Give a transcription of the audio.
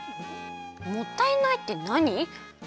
「もったいない」ってなに？